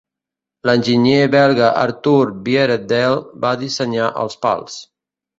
L'enginyer belga Artur Vierendeel va dissenyar els pals.